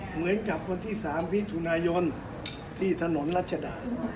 เหมือนกับวันที่๓มิถุนายนที่ถนนรัชดา